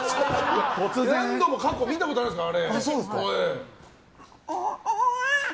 何度も過去見たことあるんですよ。